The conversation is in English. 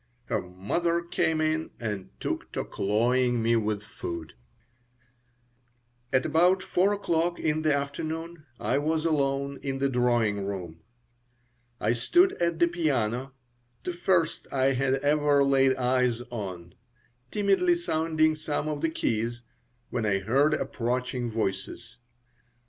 Her mother came in and took to cloying me with food At about 4 o'clock in the afternoon I was alone in the drawing room. I stood at the piano the first I had ever laid eyes on timidly sounding some of the keys, when I heard approaching voices.